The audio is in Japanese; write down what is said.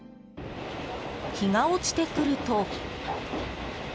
日が落ちてくると。